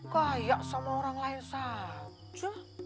kaya sama orang lain saja